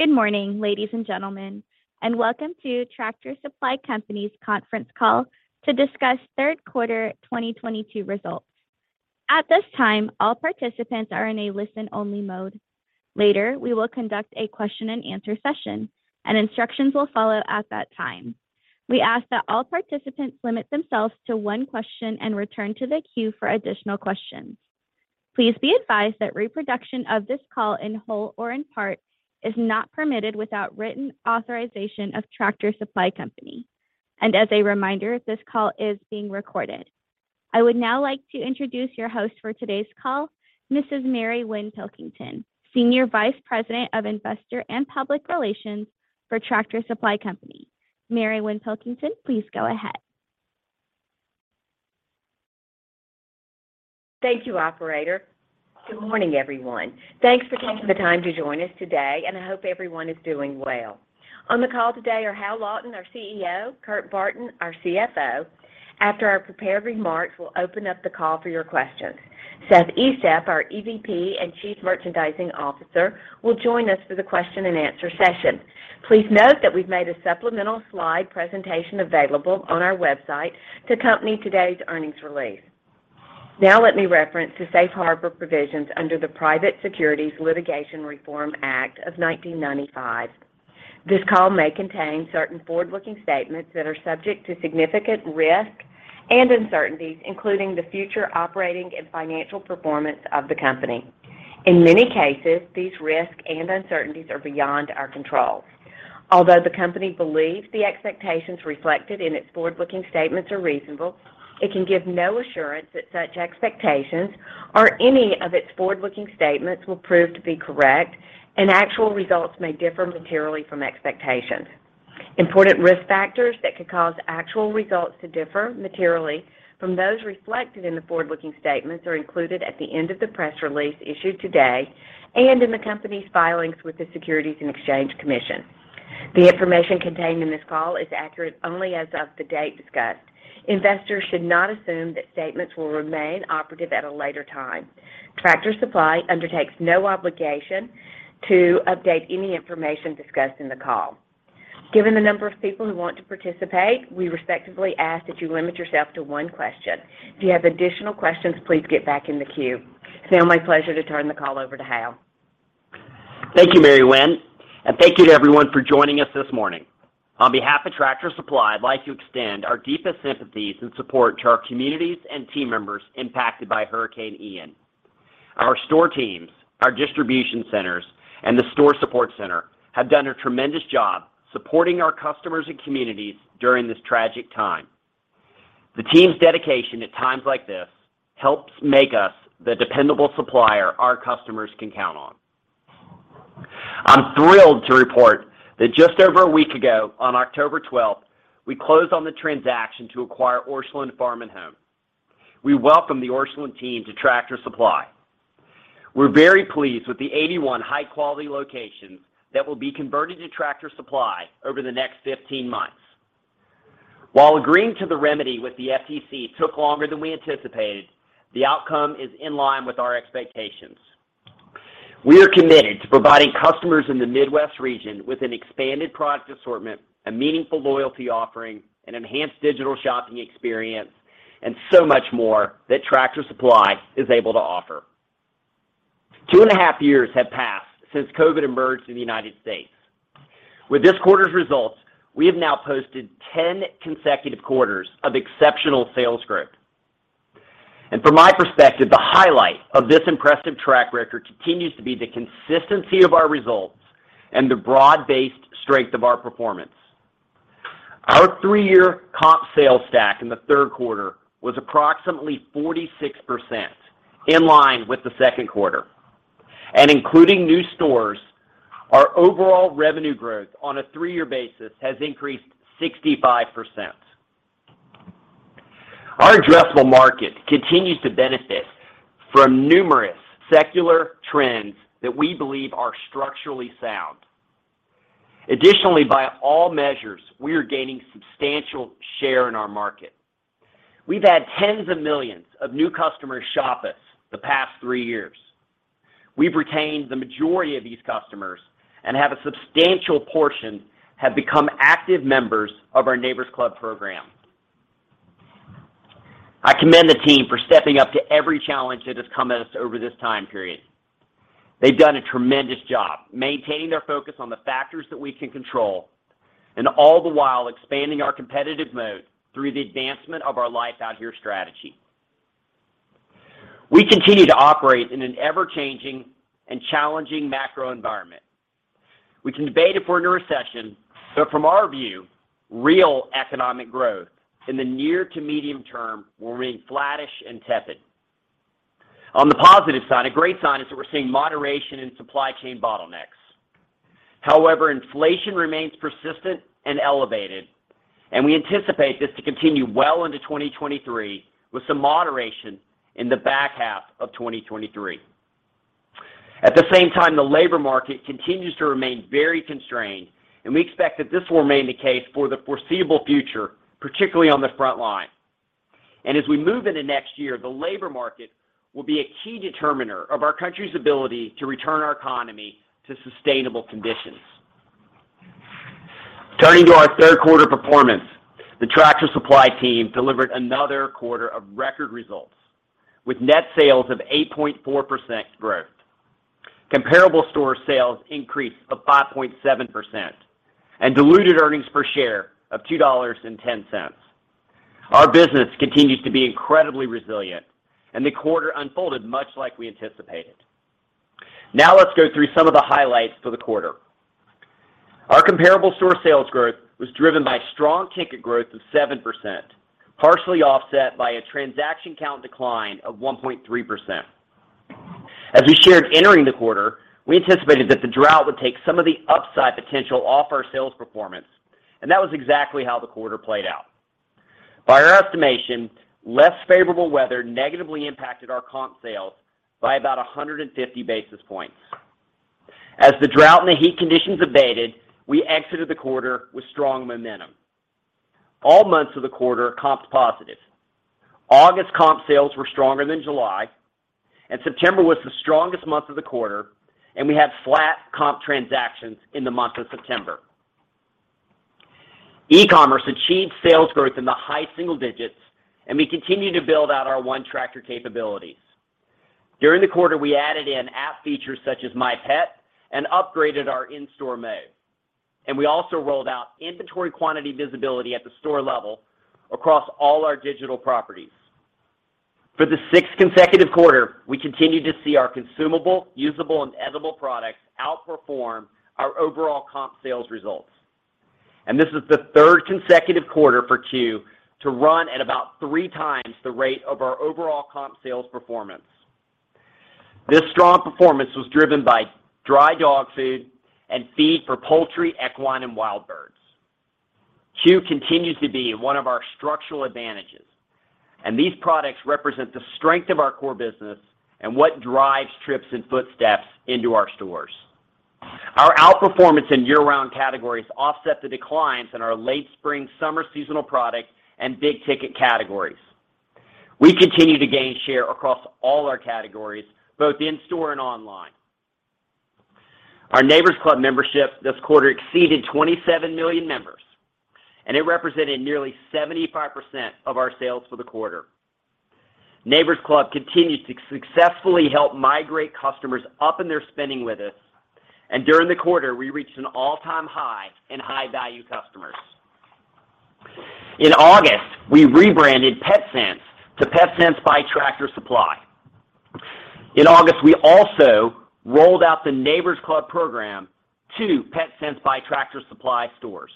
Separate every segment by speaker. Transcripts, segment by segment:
Speaker 1: Good morning, ladies and gentlemen, and welcome to Tractor Supply Company's conference call to discuss Q3 2022 results. At this time, all participants are in a listen-only mode. Later, we will conduct a question-and-answer session, and instructions will follow at that time. We ask that all participants limit themselves to one question and return to the queue for additional questions. Please be advised that reproduction of this call in whole or in part is not permitted without written authorization of Tractor Supply Company. As a reminder, this call is being recorded. I would now like to introduce your host for today's call, Mrs. Mary Winn Pilkington, Senior Vice President of Investor and Public Relations for Tractor Supply Company. Mary Winn Pilkington, please go ahead.
Speaker 2: Thank you, operator. Good morning, everyone. Thanks for taking the time to join us today, and I hope everyone is doing well. On the call today are Hal Lawton, our CEO, Kurt Barton, our CFO. After our prepared remarks, we'll open up the call for your questions. Seth Estep, our EVP and Chief Merchandising Officer, will join us for the question-and-answer session. Please note that we've made a supplemental slide presentation available on our website to accompany today's earnings release. Now let me reference the Safe Harbor provisions under the Private Securities Litigation Reform Act of 1995. This call may contain certain forward-looking statements that are subject to significant risk and uncertainties, including the future operating and financial performance of the company. In many cases, these risks and uncertainties are beyond our control. Although the company believes the expectations reflected in its forward-looking statements are reasonable, it can give no assurance that such expectations or any of its forward-looking statements will prove to be correct, and actual results may differ materially from expectations. Important risk factors that could cause actual results to differ materially from those reflected in the forward-looking statements are included at the end of the press release issued today and in the company's filings with the Securities and Exchange Commission. The information contained in this call is accurate only as of the date discussed. Investors should not assume that statements will remain operative at a later time. Tractor Supply undertakes no obligation to update any information discussed in the call. Given the number of people who want to participate, we respectfully ask that you limit yourself to one question. If you have additional questions, please get back in the queue. It's now my pleasure to turn the call over to Hal.
Speaker 3: Thank you, Mary Winn, and thank you to everyone for joining us this morning. On behalf of Tractor Supply, I'd like to extend our deepest sympathies and support to our communities and team members impacted by Hurricane Ian. Our store teams, our distribution centers, and the store support center have done a tremendous job supporting our customers and communities during this tragic time. The team's dedication at times like this helps make us the dependable supplier our customers can count on. I'm thrilled to report that just over a week ago, on October twelfth, we closed on the transaction to acquire Orscheln Farm and Home. We welcome the Orscheln team to Tractor Supply. We're very pleased with the 81 high-quality locations that will be converted to Tractor Supply over the next 15 months. While agreeing to the remedy with the FTC took longer than we anticipated, the outcome is in line with our expectations. We are committed to providing customers in the Midwest region with an expanded product assortment, a meaningful loyalty offering, an enhanced digital shopping experience, and so much more that Tractor Supply is able to offer. Two and a half years have passed since COVID emerged in the United States. With this quarter's results, we have now posted 10 consecutive quarters of exceptional sales growth. From my perspective, the highlight of this impressive track record continues to be the consistency of our results and the broad-based strength of our performance. Our three-year comp sales stack in the Q3 was approximately 46% in line with the Q2. Including new stores, our overall revenue growth on a three-year basis has increased 65%. Our addressable market continues to benefit from numerous secular trends that we believe are structurally sound. Additionally, by all measures, we are gaining substantial share in our market. We've had tens of millions of new customers shop us the past three years. We've retained the majority of these customers and have a substantial portion have become active members of our Neighbor's Club program. I commend the team for stepping up to every challenge that has come at us over this time period. They've done a tremendous job maintaining their focus on the factors that we can control and all the while expanding our competitive moat through the advancement of our Life Out Here strategy. We continue to operate in an ever-changing and challenging macro environment. We can debate if we're in a recession, but from our view, real economic growth in the near to medium term will remain flattish and tepid. On the positive side, a great sign is that we're seeing moderation in supply chain bottlenecks. However, inflation remains persistent and elevated, and we anticipate this to continue well into 2023 with some moderation in the back half of 2023. At the same time, the labor market continues to remain very constrained, and we expect that this will remain the case for the foreseeable future, particularly on the front line. As we move into next year, the labor market will be a key determiner of our country's ability to return our economy to sustainable conditions. Turning to our Q3 performance, the Tractor Supply team delivered another quarter of record results with net sales of 8.4% growth. Comparable store sales increased by 5.7% and diluted earnings per share of $2.10. Our business continues to be incredibly resilient and the quarter unfolded much like we anticipated. Now let's go through some of the highlights for the quarter. Our comparable store sales growth was driven by strong ticket growth of 7%, partially offset by a transaction count decline of 1.3%. As we shared entering the quarter, we anticipated that the drought would take some of the upside potential off our sales performance, and that was exactly how the quarter played out. By our estimation, less favorable weather negatively impacted our comp sales by about 150 basis points. As the drought and the heat conditions abated, we exited the quarter with strong momentum. All months of the quarter comped positive. August comp sales were stronger than July, and September was the strongest month of the quarter, and we had flat comp transactions in the month of September. E-commerce achieved sales growth in the high single digits, and we continue to build out our ONETractor capabilities. During the quarter, we added in-app features such as My Pet and upgraded our in-store map. We also rolled out inventory quantity visibility at the store level across all our digital properties. For the sixth consecutive quarter, we continued to see our consumable, usable, and edible products outperform our overall comp sales results. This is the third consecutive quarter for CUE to run at about three times the rate of our overall comp sales performance. This strong performance was driven by dry dog food and feed for poultry, equine, and wild birds. CUE continues to be one of our structural advantages, and these products represent the strength of our core business and what drives trips and footsteps into our stores. Our outperformance in year-round categories offset the declines in our late spring, summer seasonal product and big ticket categories. We continue to gain share across all our categories, both in store and online. Our Neighbor's Club membership this quarter exceeded 27 million members, and it represented nearly 75% of our sales for the quarter. Neighbor's Club continued to successfully help migrate customers up in their spending with us, and during the quarter, we reached an all-time high in high-value customers. In August, we rebranded Petsense to Petsense by Tractor Supply. In August, we also rolled out the Neighbor's Club program to Petsense by Tractor Supply stores.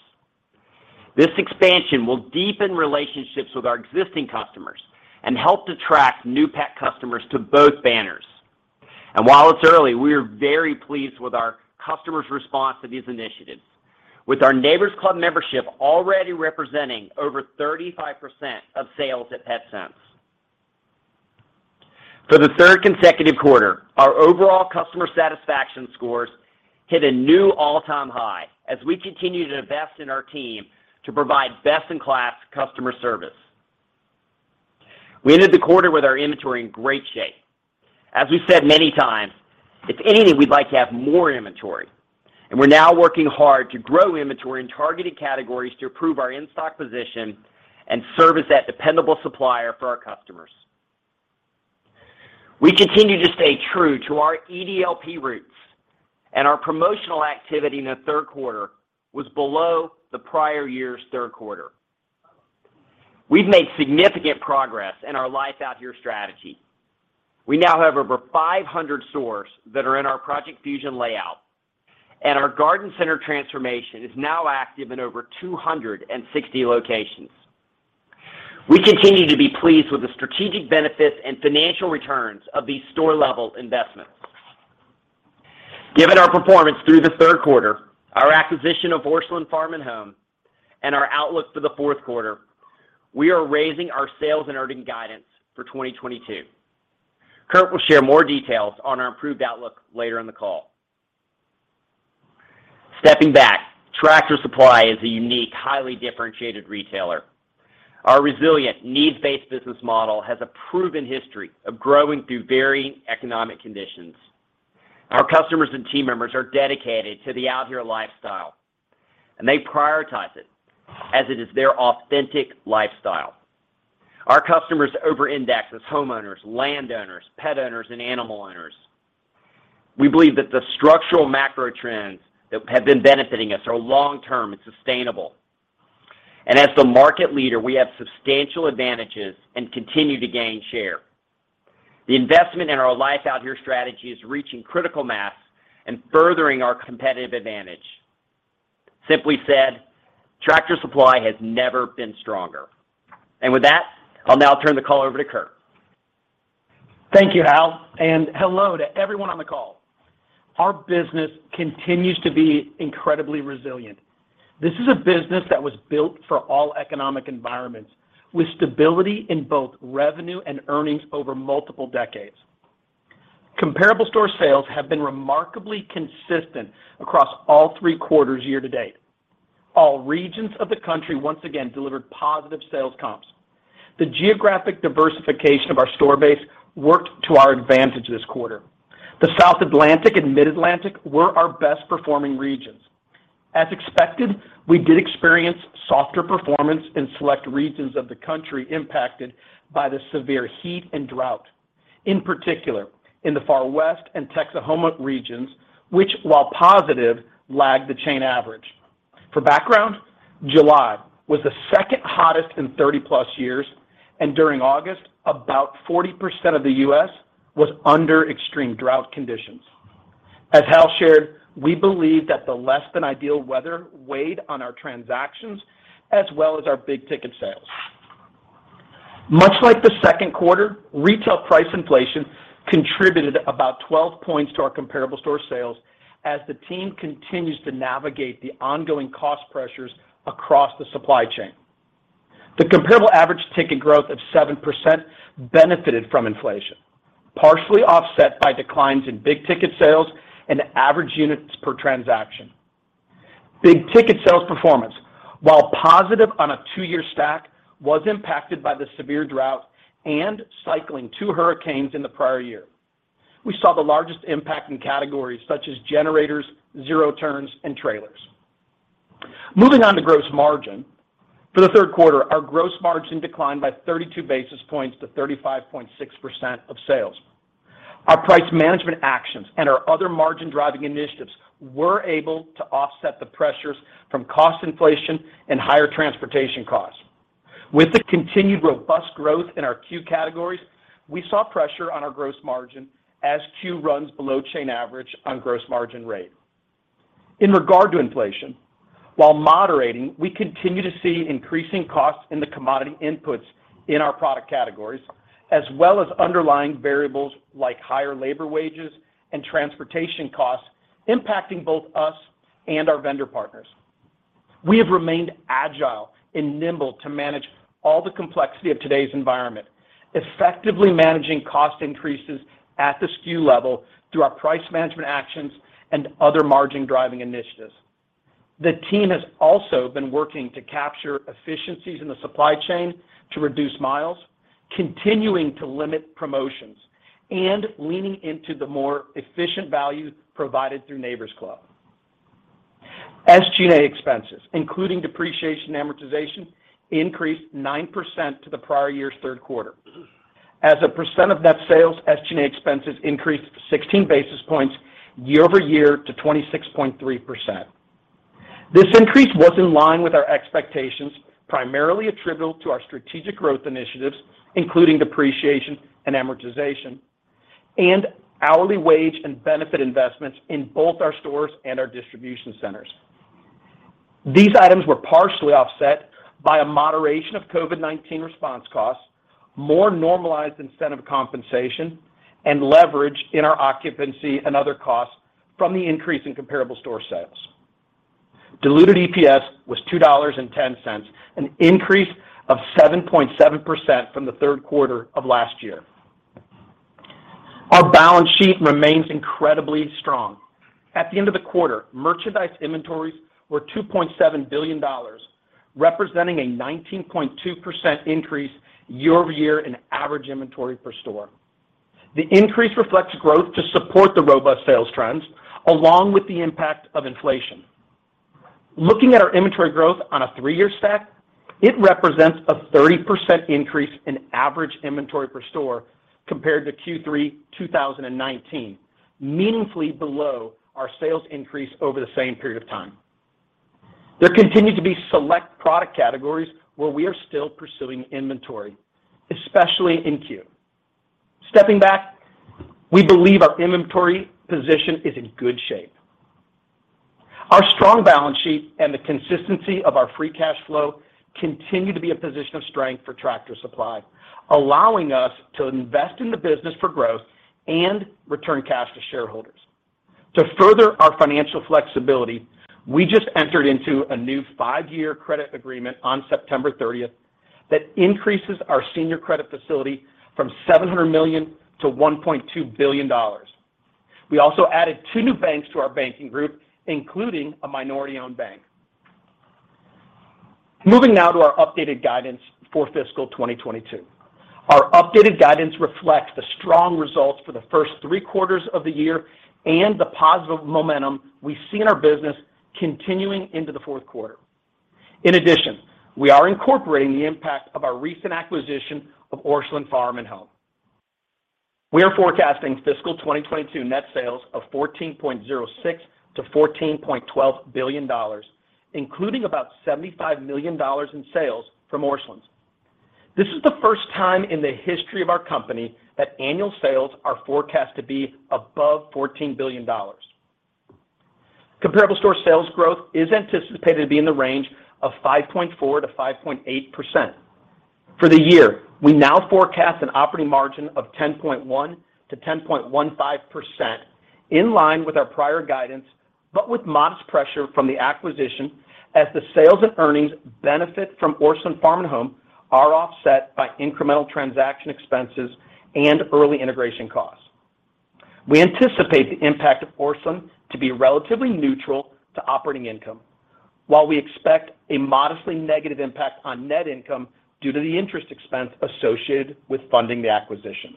Speaker 3: This expansion will deepen relationships with our existing customers and help to attract new pet customers to both banners. While it's early, we are very pleased with our customers' response to these initiatives, with our Neighbor's Club membership already representing over 35% of sales at Petsense. For the third consecutive quarter, our overall customer satisfaction scores hit a new all-time high as we continue to invest in our team to provide best-in-class customer service. We ended the quarter with our inventory in great shape. As we said many times, if anything, we'd like to have more inventory. We're now working hard to grow inventory in targeted categories to improve our in-stock position and service that dependable supplier for our customers. We continue to stay true to our EDLP roots, and our promotional activity in the Q3 was below the prior year's Q3 We've made significant progress in our Life Out Here strategy. We now have over 500 stores that are in our Project Fusion layout, and our Garden Center transformation is now active in over 260 locations. We continue to be pleased with the strategic benefits and financial returns of these store-level investments. Given our performance through the Q3, our acquisition of Orscheln Farm and Home, and our outlook for the Q4 we are raising our sales and earnings guidance for 2022. Kurt will share more details on our improved outlook later in the call. Stepping back, Tractor Supply is a unique, highly differentiated retailer. Our resilient needs-based business model has a proven history of growing through varying economic conditions. Our customers and team members are dedicated to the Out Here lifestyle, and they prioritize it as it is their authentic lifestyle. Our customers over-index as homeowners, landowners, pet owners, and animal owners. We believe that the structural macro trends that have been benefiting us are long-term and sustainable. As the market leader, we have substantial advantages and continue to gain share. The investment in our Life Out Here strategy is reaching critical mass and furthering our competitive advantage. Simply said, Tractor Supply has never been stronger. With that, I'll now turn the call over to Kurt.
Speaker 4: Thank you, Hal, and hello to everyone on the call. Our business continues to be incredibly resilient. This is a business that was built for all economic environments with stability in both revenue and earnings over multiple decades. Comparable store sales have been remarkably consistent across all 3 quarters year-to-date. All regions of the country once again delivered positive sales comps. The geographic diversification of our store base worked to our advantage this quarter. The South Atlantic and Mid-Atlantic were our best performing regions. As expected, we did experience softer performance in select regions of the country impacted by the severe heat and drought, in particular in the Far West and Texoma regions which, while positive, lagged the chain average. For background, July was the second hottest in 30-plus years, and during August, about 40% of the U.S. was under extreme drought conditions. As Hal shared, we believe that the less than ideal weather weighed on our transactions as well as our big ticket sales. Much like the Q2, retail price inflation contributed about 12 points to our comparable store sales as the team continues to navigate the ongoing cost pressures across the supply chain. The comparable average ticket growth of 7% benefited from inflation, partially offset by declines in big ticket sales and average units per transaction. Big ticket sales performance, while positive on a 2-year stack, was impacted by the severe drought and cycling two hurricanes in the prior year. We saw the largest impact in categories such as generators, zero turns, and trailers. Moving on to gross margin. For the Q3, our gross margin declined by 32 basis points to 35.6% of sales. Our price management actions and our other margin-driving initiatives were able to offset the pressures from cost inflation and higher transportation costs. With the continued robust growth in our CUE categories, we saw pressure on our gross margin as CUE runs below chain average on gross margin rate. In regard to inflation, while moderating, we continue to see increasing costs in the commodity inputs in our product categories, as well as underlying variables like higher labor wages and transportation costs impacting both us and our vendor partners. We have remained agile and nimble to manage all the complexity of today's environment, effectively managing cost increases at the SKU level through our price management actions and other margin-driving initiatives. The team has also been working to capture efficiencies in the supply chain to reduce miles, continuing to limit promotions, and leaning into the more efficient value provided through Neighbor's Club. SG&A expenses, including depreciation and amortization, increased 9% from the prior year's Q3 As a percent of net sales, SG&A expenses increased 16 basis points year-over-year to 26.3%. This increase was in line with our expectations, primarily attributable to our strategic growth initiatives, including depreciation and amortization and hourly wage and benefit investments in both our stores and our distribution centers. These items were partially offset by a moderation of COVID-19 response costs, more normalized incentive compensation, and leverage in our occupancy and other costs from the increase in comparable store sales. Diluted EPS was $2.10, an increase of 7.7% from the Q3 of last year. Our balance sheet remains incredibly strong. At the end of the quarter, merchandise inventories were $2.7 billion, representing a 19.2% increase year-over-year in average inventory per store. The increase reflects growth to support the robust sales trends along with the impact of inflation. Looking at our inventory growth on a three-year stack, it represents a 30% increase in average inventory per store compared to Q3 2019, meaningfully below our sales increase over the same period of time. There continue to be select product categories where we are still pursuing inventory, especially in Q. Stepping back, we believe our inventory position is in good shape. Our strong balance sheet and the consistency of our free cash flow continue to be a position of strength for Tractor Supply, allowing us to invest in the business for growth and return cash to shareholders. To further our financial flexibility, we just entered into a new 5-year credit agreement on September 30 that increases our senior credit facility from $700 million to $1.2 billion. We also added two new banks to our banking group, including a minority-owned bank. Moving now to our updated guidance for fiscal 2022. Our updated guidance reflects the strong results for the first three quarters of the year and the positive momentum we see in our business continuing into the Q4. In addition, we are incorporating the impact of our recent acquisition of Orscheln Farm and Home. We are forecasting fiscal 2022 net sales of $14.06 billion-$14.12 billion, including about $75 million in sales from Orscheln's. This is the first time in the history of our company that annual sales are forecast to be above $14 billion. Comparable store sales growth is anticipated to be in the range of 5.4%-5.8%. For the year, we now forecast an operating margin of 10.1%-10.15%. In line with our prior guidance, but with modest pressure from the acquisition as the sales and earnings benefit from Orscheln Farm and Home are offset by incremental transaction expenses and early integration costs. We anticipate the impact of Orscheln to be relatively neutral to operating income, while we expect a modestly negative impact on net income due to the interest expense associated with funding the acquisition.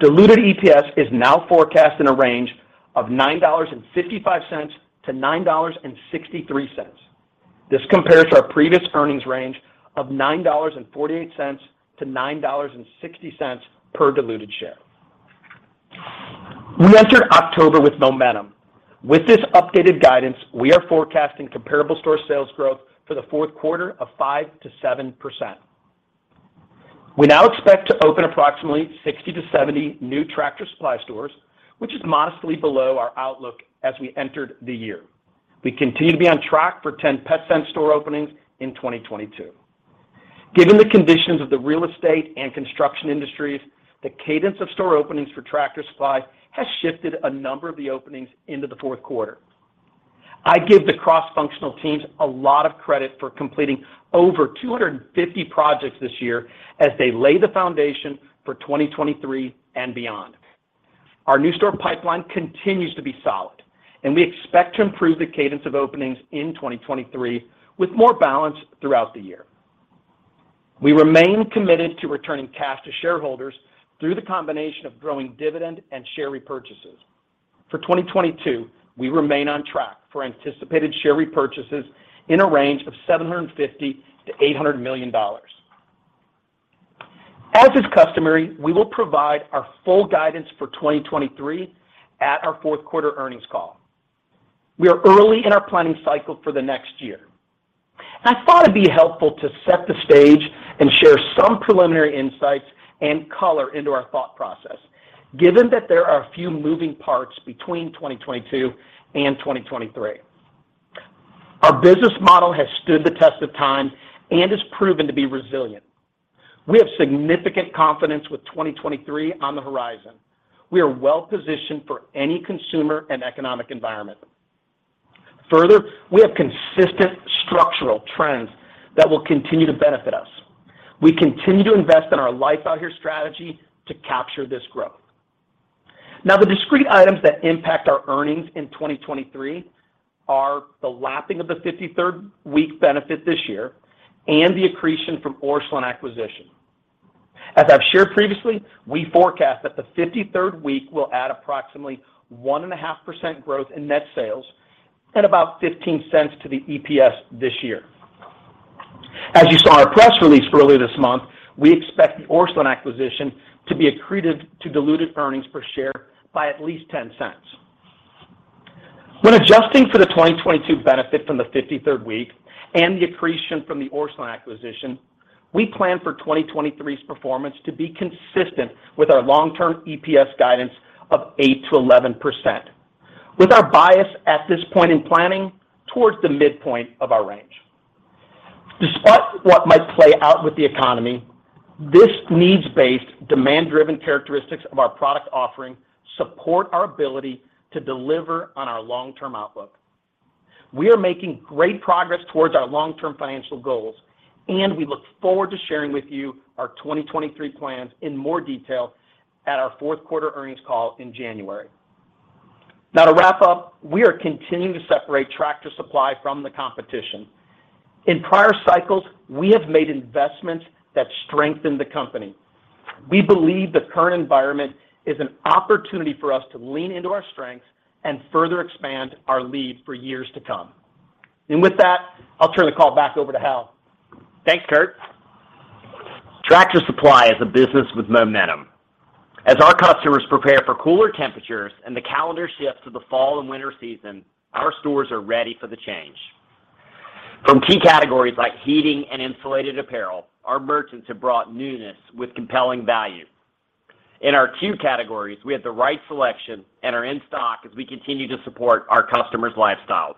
Speaker 4: Diluted EPS is now forecast in a range of $9.55-$9.63. This compares to our previous earnings range of $9.48-$9.60 per diluted share. We entered October with momentum. With this updated guidance, we are forecasting comparable store sales growth for the fourth quarter of 5%-7%. We now expect to open approximately 60-70 new Tractor Supply stores, which is modestly below our outlook as we entered the year. We continue to be on track for 10 Petsense store openings in 2022. Given the conditions of the real estate and construction industries, the cadence of store openings for Tractor Supply has shifted a number of the openings into the Q4. I give the cross-functional teams a lot of credit for completing over 250 projects this year as they lay the foundation for 2023 and beyond. Our new store pipeline continues to be solid, and we expect to improve the cadence of openings in 2023 with more balance throughout the year. We remain committed to returning cash to shareholders through the combination of growing dividend and share repurchases. For 2022, we remain on track for anticipated share repurchases in a range of $750 million-$800 million. As is customary, we will provide our full guidance for 2023 at our Q4 earnings call. We are early in our planning cycle for the next year. I thought it'd be helpful to set the stage and share some preliminary insights and color into our thought process, given that there are a few moving parts between 2022 and 2023. Our business model has stood the test of time and has proven to be resilient. We have significant confidence with 2023 on the horizon. We are well positioned for any consumer and economic environment. Further, we have consistent structural trends that will continue to benefit us. We continue to invest in our Life Out Here strategy to capture this growth. Now, the discrete items that impact our earnings in 2023 are the lapping of the 53rd week benefit this year and the accretion from Orscheln acquisition. As I've shared previously, we forecast that the 53rd week will add approximately 1.5% growth in net sales and about $0.15 to the EPS this year. As you saw in our press release earlier this month, we expect the Orscheln acquisition to be accreted to diluted earnings per share by at least $0.10. When adjusting for the 2022 benefit from the 53rd week and the accretion from the Orscheln acquisition, we plan for 2023's performance to be consistent with our long-term EPS guidance of 8%-11%. With our bias at this point in planning towards the midpoint of our range. Despite what might play out with the economy, this needs-based, demand-driven characteristics of our product offering support our ability to deliver on our long-term outlook. We are making great progress towards our long-term financial goals, and we look forward to sharing with you our 2023 plans in more detail at our Q4 earnings call in January. Now to wrap up, we are continuing to separate Tractor Supply from the competition. In prior cycles, we have made investments that strengthen the company. We believe the current environment is an opportunity for us to lean into our strengths and further expand our lead for years to come. With that, I'll turn the call back over to Hal.
Speaker 3: Thanks, Kurt. Tractor Supply is a business with momentum. As our customers prepare for cooler temperatures and the calendar shifts to the fall and winter season, our stores are ready for the change. From key categories like heating and insulated apparel, our merchants have brought newness with compelling value. In our two categories, we have the right selection and are in stock as we continue to support our customers' lifestyles.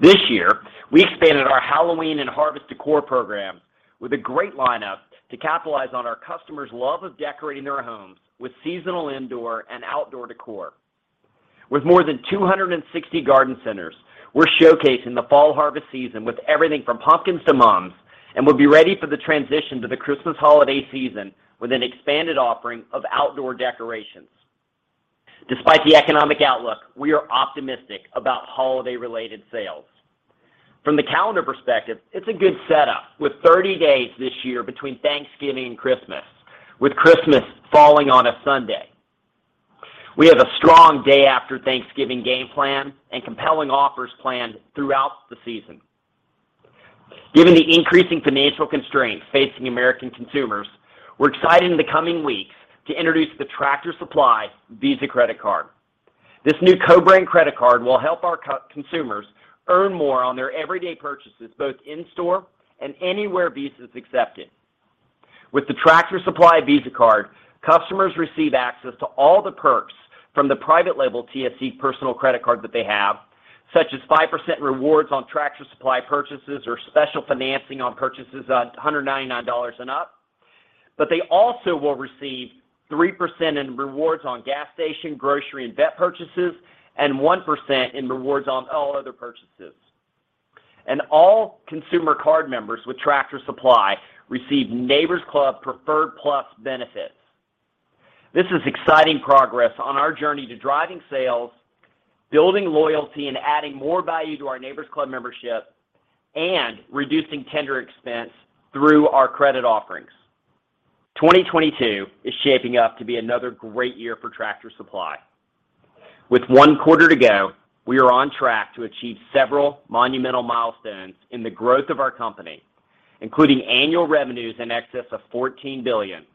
Speaker 3: This year, we expanded our Halloween and harvest decor programs with a great lineup to capitalize on our customers' love of decorating their homes with seasonal indoor and outdoor decor. With more than 260 Garden Centers, we're showcasing the fall harvest season with everything from pumpkins to mums, and we'll be ready for the transition to the Christmas holiday season with an expanded offering of outdoor decorations. Despite the economic outlook, we are optimistic about holiday-related sales. From the calendar perspective, it's a good setup with 30 days this year between Thanksgiving and Christmas, with Christmas falling on a Sunday. We have a strong day after Thanksgiving game plan and compelling offers planned throughout the season. Given the increasing financial constraints facing American consumers, we're excited in the coming weeks to introduce the Tractor Supply Visa credit card. This new co-brand credit card will help our consumers earn more on their everyday purchases, both in store and anywhere Visa is accepted. With the Tractor Supply Visa card, customers receive access to all the perks from the private label TSC personal credit card that they have, such as 5% rewards on Tractor Supply purchases or special financing on purchases, $199 and up. They also will receive 3% in rewards on gas station, grocery, and vet purchases, and 1% in rewards on all other purchases. All consumer card members with Tractor Supply receive Neighbor's Club Preferred Plus benefits. This is exciting progress on our journey to driving sales, building loyalty, and adding more value to our Neighbor's Club membership, and reducing tender expense through our credit offerings. 2022 is shaping up to be another great year for Tractor Supply. With one quarter to go, we are on track to achieve several monumental milestones in the growth of our company, including annual revenues in excess of $14 billion,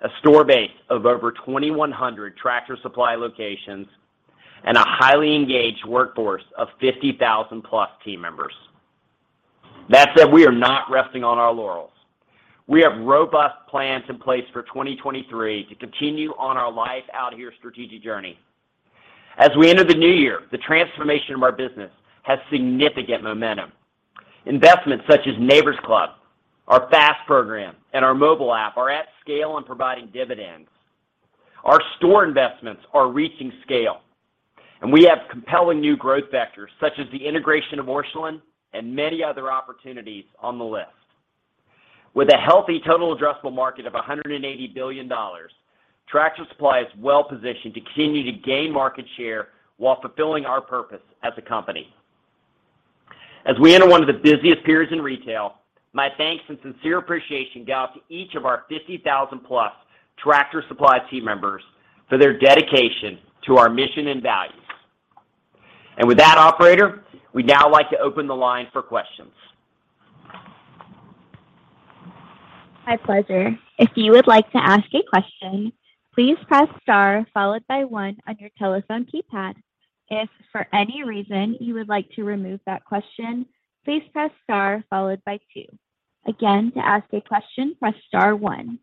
Speaker 3: a store base of over 2,100 Tractor Supply locations, and a highly engaged workforce of 50,000+ team members. That said, we are not resting on our laurels. We have robust plans in place for 2023 to continue on our Life Out Here strategic journey. As we enter the new year, the transformation of our business has significant momentum. Investments such as Neighbor's Club, our F.A.S.T. program, and our mobile app are at scale and providing dividends. Our store investments are reaching scale, and we have compelling new growth vectors such as the integration of Orscheln and many other opportunities on the list. With a healthy total addressable market of $180 billion, Tractor Supply is well positioned to continue to gain market share while fulfilling our purpose as a company. As we enter one of the busiest periods in retail, my thanks and sincere appreciation go out to each of our 50,000 plus Tractor Supply team members for their dedication to our mission and values. With that operator, we'd now like to open the line for questions.
Speaker 1: My pleasure. If you would like to ask a question, please press star followed by one on your telephone keypad. If for any reason you would like to remove that question, please press star followed by two. Again, to ask a question, press star one.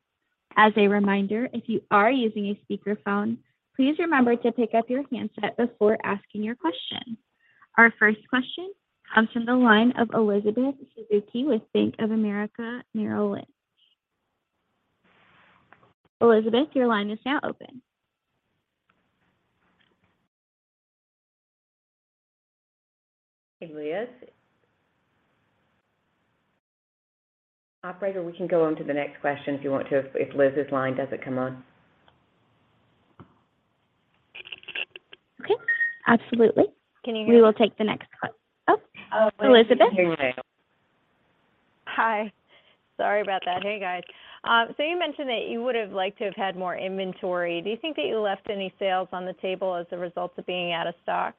Speaker 1: As a reminder, if you are using a speakerphone, please remember to pick up your handset before asking your question. Our first question comes from the line of Elizabeth Suzuki with Bank of America Merrill Lynch. Elizabeth, your line is now open.
Speaker 2: Hey, Liz. Operator, we can go on to the next question if you want to, if Liz's line doesn't come on.
Speaker 1: Okay. Absolutely.
Speaker 2: Can you hear me?
Speaker 1: We will take the next call. Oh, Elizabeth?
Speaker 5: Hi. Sorry about that. Hey, guys. You mentioned that you would have liked to have had more inventory. Do you think that you left any sales on the table as a result of being out of stock?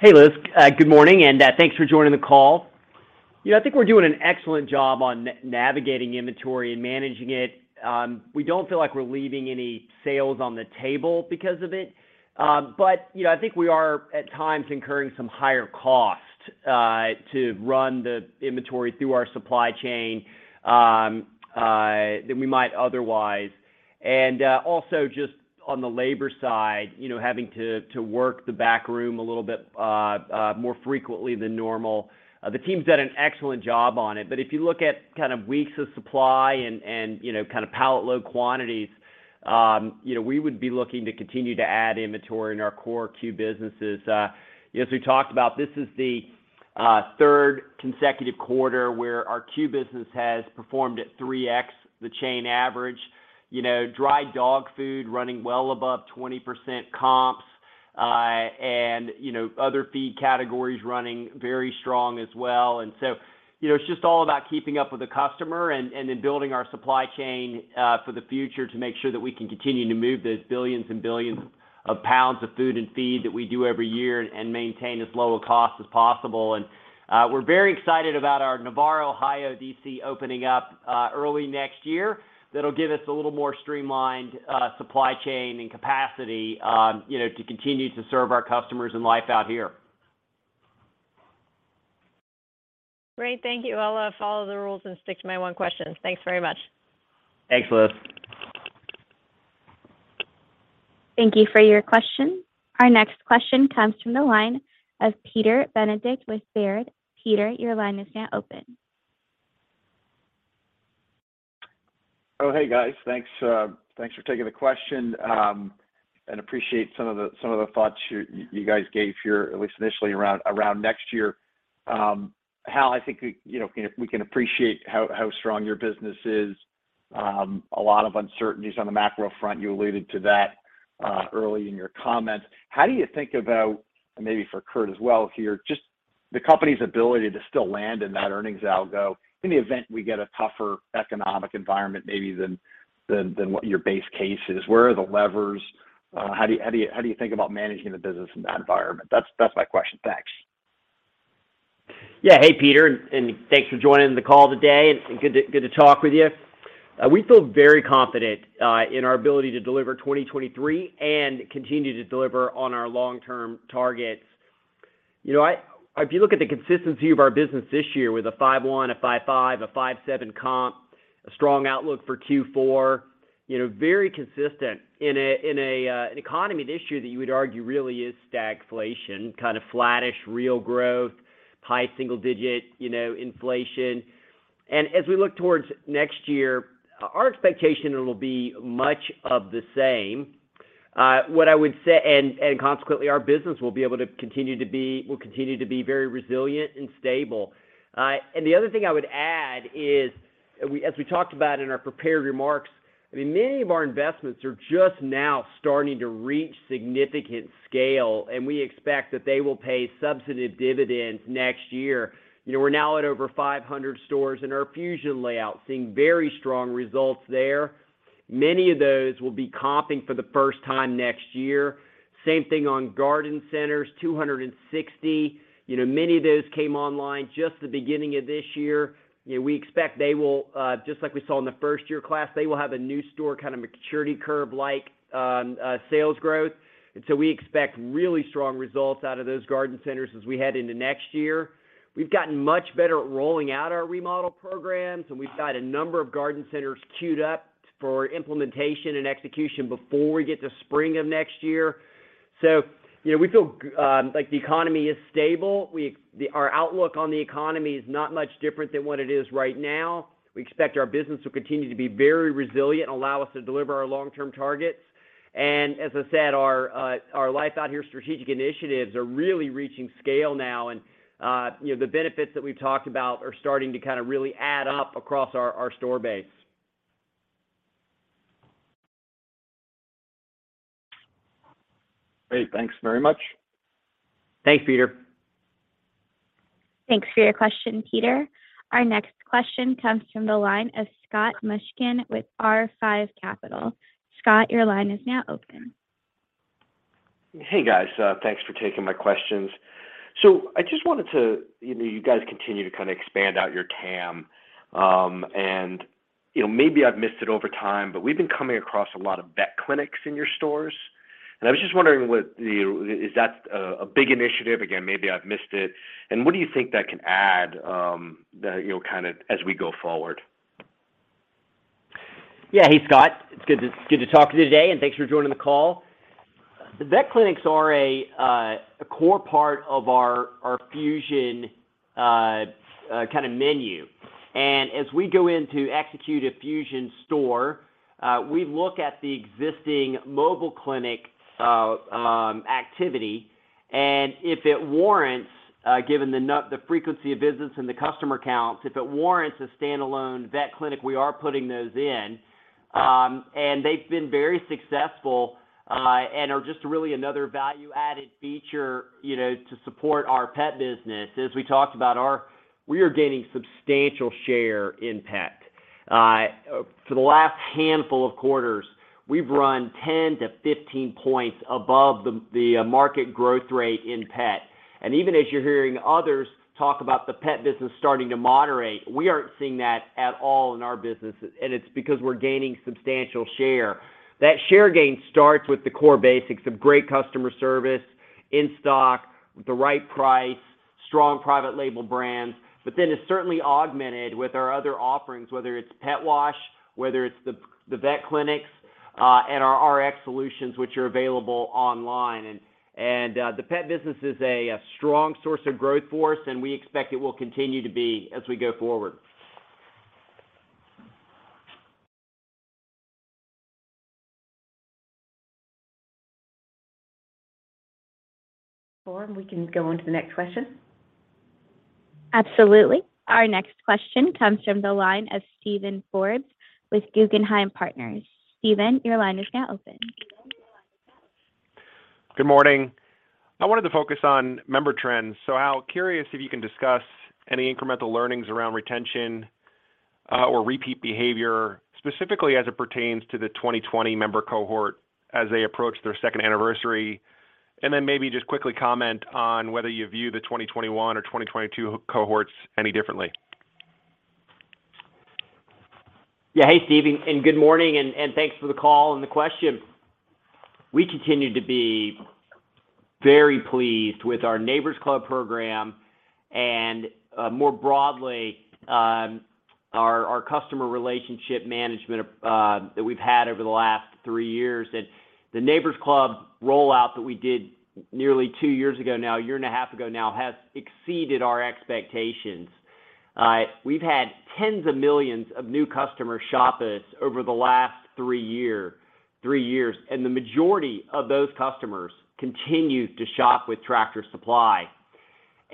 Speaker 3: Hey, Liz. Good morning, and thanks for joining the call. You know, I think we're doing an excellent job on navigating inventory and managing it. We don't feel like we're leaving any sales on the table because of it. You know, I think we are at times incurring some higher costs to run the inventory through our supply chain than we might otherwise. Also just on the labor side, you know, having to work the backroom a little bit more frequently than normal. The team's done an excellent job on it. If you look at kind of weeks of supply and you know, kind of pallet load quantities, you know, we would be looking to continue to add inventory in our core Q businesses. You know, as we talked about, this is the third consecutive quarter where our pet business has performed at 3x the chain average. You know, dry dog food running well above 20% comps, and you know, other feed categories running very strong as well. You know, it's just all about keeping up with the customer and then building our supply chain for the future to make sure that we can continue to move those billions and billions of pounds of food and feed that we do every year and maintain as low a cost as possible. We're very excited about our Navarre, Ohio DC opening up early next year. That'll give us a little more streamlined supply chain and capacity, you know, to continue to serve our customers in Life Out Here.
Speaker 5: Great. Thank you. I'll follow the rules and stick to my one question. Thanks very much.
Speaker 3: Thanks, Liz.
Speaker 1: Thank you for your question. Our next question comes from the line of Peter Benedict with Baird. Peter, your line is now open.
Speaker 6: Oh, hey, guys. Thanks for taking the question, and appreciate some of the thoughts you guys gave here, at least initially, around next year. Hal, I think we, you know, we can appreciate how strong your business is. A lot of uncertainties on the macro front, you alluded to that early in your comments. How do you think about, and maybe for Kurt as well here, just the company's ability to still land in that earnings algo in the event we get a tougher economic environment maybe than what your base case is? Where are the levers? How do you think about managing the business in that environment? That's my question. Thanks.
Speaker 3: Yeah. Hey Peter, and thanks for joining the call today, and good to talk with you. We feel very confident in our ability to deliver 2023 and continue to deliver on our long-term targets. You know, if you look at the consistency of our business this year with a 5.1, a 5.5, a 5.7 comp, a strong outlook for Q4, you know, very consistent in an economy this year that you would argue really is stagflation, kind of flattish real growth, high single-digit, you know, inflation. As we look towards next year, our expectation it'll be much of the same. Consequently our business will continue to be very resilient and stable. The other thing I would add is, as we talked about in our prepared remarks, I mean, many of our investments are just now starting to reach significant scale, and we expect that they will pay substantive dividends next year. You know, we're now at over 500 stores in our Fusion layout, seeing very strong results there. Many of those will be comping for the first time next year. Same thing on Garden Centers, 260. You know, many of those came online just the beginning of this year. You know, we expect they will, just like we saw in the first year class, they will have a new store kind of maturity curve like sales growth. We expect really strong results out of those Garden Centers as we head into next year. We've gotten much better at rolling out our remodel programs, and we've got a number of Garden Centers queued up for implementation and execution before we get to spring of next year. You know, we feel like the economy is stable. Our outlook on the economy is not much different than what it is right now. We expect our business to continue to be very resilient and allow us to deliver our long-term targets. As I said, our Life Out Here strategic initiatives are really reaching scale now. You know, the benefits that we've talked about are starting to kind of really add up across our store base. Great. Thanks very much. Thanks, Peter.
Speaker 1: Thanks for your question, Peter. Our next question comes from the line of Scott Mushkin with R5 Capital. Scott, your line is now open.
Speaker 7: Hey, guys, thanks for taking my questions. I just wanted. You know, you guys continue to kind of expand out your TAM, and, you know, maybe I've missed it over time, but we've been coming across a lot of vet clinics in your stores. I was just wondering what is that a big initiative? Again, maybe I've missed it. What do you think that can add, you know, kind of as we go forward?
Speaker 3: Yeah. Hey, Scott. It's good to talk to you today, and thanks for joining the call. The vet clinics are a core part of our Fusion kind of menu. As we go in to execute a Fusion store, we look at the existing mobile clinic activity. If it warrants, given the frequency of business and the customer counts, if it warrants a standalone vet clinic, we are putting those in. They've been very successful, and are just really another value-added feature, you know, to support our pet business. We are gaining substantial share in pet. For the last handful of quarters, we've run 10-15 points above the market growth rate in pet. Even as you're hearing others talk about the pet business starting to moderate, we aren't seeing that at all in our business, and it's because we're gaining substantial share. That share gain starts with the core basics of great customer service, in-stock, the right price, strong private label brands. But then it's certainly augmented with our other offerings, whether it's pet wash, whether it's the vet clinics, and our Rx solutions which are available online. The pet business is a strong source of growth for us, and we expect it will continue to be as we go forward. Lauren, we can go on to the next question.
Speaker 1: Absolutely. Our next question comes from the line of Steven Forbes with Guggenheim Partners. Steven, your line is now open.
Speaker 8: Good morning. I wanted to focus on member trends. Hal, curious if you can discuss any incremental learnings around retention, or repeat behavior, specifically as it pertains to the 2020 member cohort as they approach their second anniversary. Then maybe just quickly comment on whether you view the 2021 or 2022 cohorts any differently.
Speaker 3: Yeah. Hey, Steven, and good morning, and thanks for the call and the question. We continue to be very pleased with our Neighbor's Club program and, more broadly, our customer relationship management that we've had over the last three years. The Neighbor's Club rollout that we did nearly two years ago now, a year and a half ago now, has exceeded our expectations. We've had 10s of millions of new customers shop with us over the last three years, and the majority of those customers continue to shop with Tractor Supply.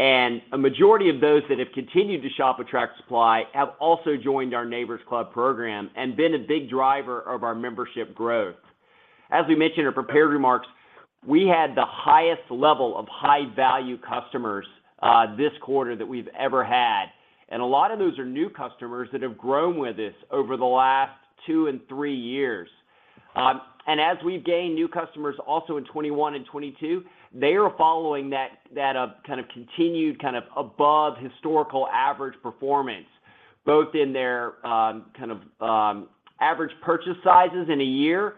Speaker 3: A majority of those that have continued to shop with Tractor Supply have also joined our Neighbor's Club program and been a big driver of our membership growth. As we mentioned in our prepared remarks, we had the highest level of high-value customers, this quarter that we've ever had. A lot of those are new customers that have grown with us over the last two and three years. As we've gained new customers also in 2021 and 2022, they are following that kind of continued kind of above historical average performance, both in their kind of average purchase sizes in a year,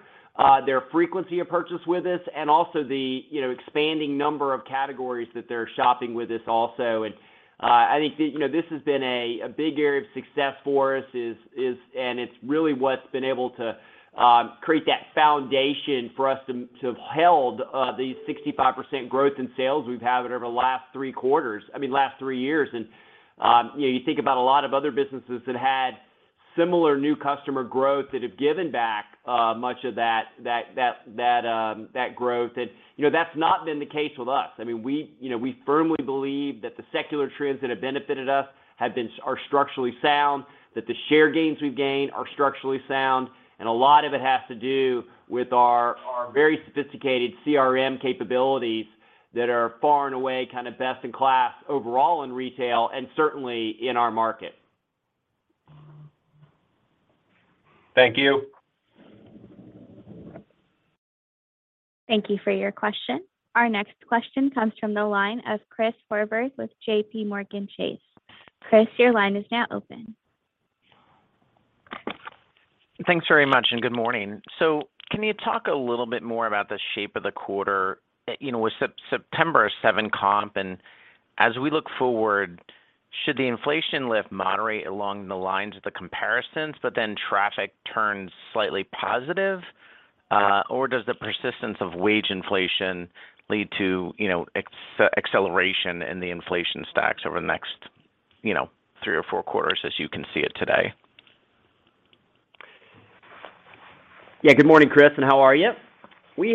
Speaker 3: their frequency of purchase with us and also the, you know, expanding number of categories that they're shopping with us also. I think that, you know, this has been a big area of success for us, and it's really what's been able to create that foundation for us to have held the 65% growth in sales we've had over the last three quarters, I mean, last three years. You know, you think about a lot of other businesses that had similar new customer growth that have given back much of that growth. You know, that's not been the case with us. I mean, we, you know, we firmly believe that the secular trends that have benefited us are structurally sound, that the share gains we've gained are structurally sound. A lot of it has to do with our very sophisticated CRM capabilities that are far and away kind of best in class overall in retail and certainly in our market. Thank you.
Speaker 1: Thank you for your question. Our next question comes from the line of Chris Horvers with JPMorgan Chase. Chris, your line is now open.
Speaker 9: Thanks very much, and good morning. Can you talk a little bit more about the shape of the quarter, you know, with September 7 comp? As we look forward, should the inflation lift moderate along the lines of the comparisons, but then traffic turns slightly positive? Does the persistence of wage inflation lead to, you know, acceleration in the inflation stacks over the next, you know, 3 or 4 quarters as you can see it today?
Speaker 3: Yeah, good morning, Chris, and how are you? As we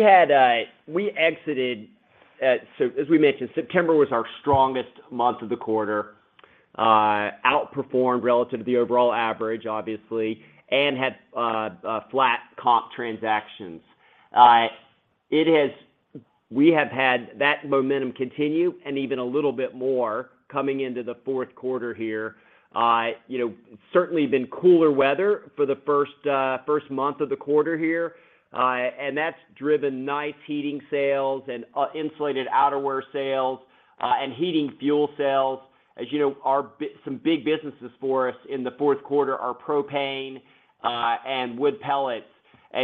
Speaker 3: mentioned, September was our strongest month of the quarter, outperformed relative to the overall average, obviously, and had flat comp transactions. We have had that momentum continue and even a little bit more coming into the Q4 here. You know, certainly been cooler weather for the first month of the quarter here. That's driven nice heating sales and insulated outerwear sales and heating fuel sales. As you know, some big businesses for us in the Q4 are propane and wood pellets.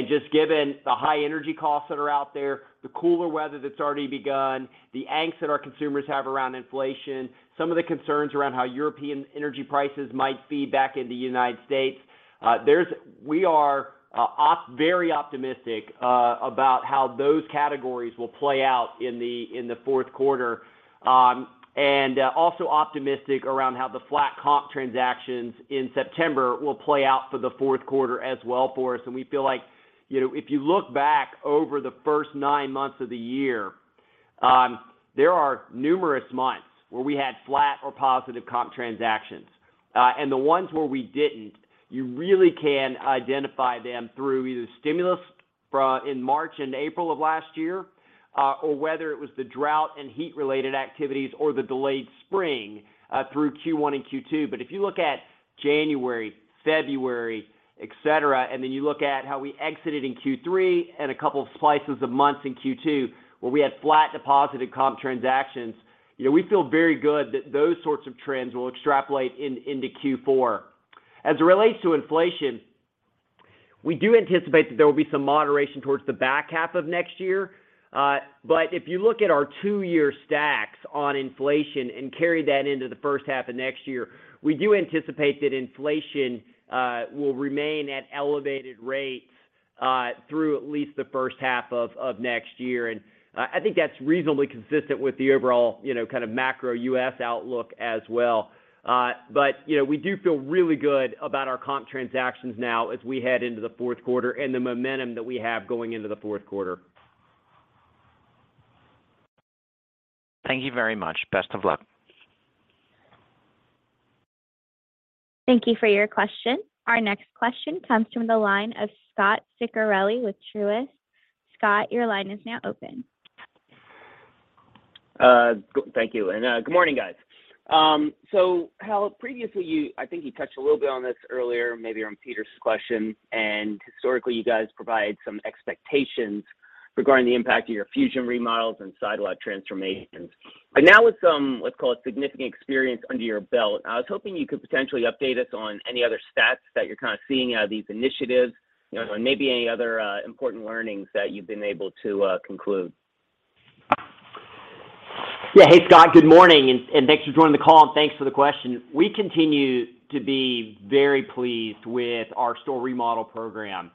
Speaker 3: Just given the high energy costs that are out there, the cooler weather that's already begun, the angst that our consumers have around inflation, some of the concerns around how European energy prices might feed back into the United States, we are very optimistic about how those categories will play out in the Q4. Also optimistic around how the flat comp transactions in September will play out for the Q4 as well for us. We feel like, you know, if you look back over the first nine months of the year, there are numerous months where we had flat or positive comp transactions. The ones where we didn't, you really can identify them through either stimulus in March and April of last year, or whether it was the drought and heat-related activities or the delayed spring through Q1 and Q2. If you look at January, February, et cetera, and then you look at how we exited in Q3 and a couple of slices of months in Q2 where we had flat deposited comp transactions, you know, we feel very good that those sorts of trends will extrapolate into Q4. As it relates to inflation, we do anticipate that there will be some moderation towards the back half of next year. If you look at our two-year stacks on inflation and carry that into the first half of next year, we do anticipate that inflation will remain at elevated rates through at least the first half of next year. I think that's reasonably consistent with the overall, you know, kind of macro U.S. outlook as well. You know, we do feel really good about our comp transactions now as we head into the Q4 and the momentum that we have going into the Q4.
Speaker 9: Thank you very much. Best of luck.
Speaker 1: Thank you for your question. Our next question comes from the line of Scot Ciccarelli with Truist. Scott, your line is now open.
Speaker 10: Thank you and good morning, guys. Hal, previously, I think you touched a little bit on this earlier, maybe on Peter's question, and historically, you guys provide some expectations regarding the impact of your Fusion remodels and Side Lot transformations. Now with some, let's call it, significant experience under your belt, I was hoping you could potentially update us on any other stats that you're kind of seeing out of these initiatives, you know, and maybe any other important learnings that you've been able to conclude.
Speaker 3: Yeah. Hey, Scott. Good morning, and thanks for joining the call, and thanks for the question. We continue to be very pleased with our store remodel program.